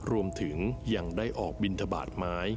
รวมถึงยังได้ออกบินทบาทไม้